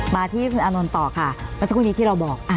มาที่คุณอานนท์ต่อค่ะเมื่อสักครู่นี้ที่เราบอก